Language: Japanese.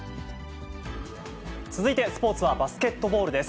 続いてスポーツはバスケットボールです。